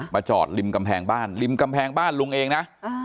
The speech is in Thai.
จอดริมกำแพงบ้านริมกำแพงบ้านลุงเองนะ